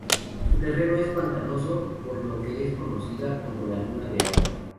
Su terreno es pantanoso, por lo que es conocida como la "Luna de Agua".